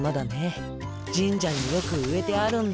神社によく植えてあるんだ。